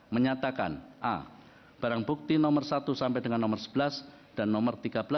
menyatakan a barang bukti nomor satu sampai dengan nomor sebelas dan nomor tiga belas